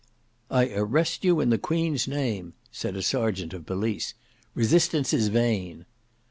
"I arrest you in the Queen's name," said a serjeant of police. "Resistance is vain."